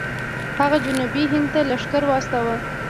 هغه جنوبي هند ته لښکر واستوه.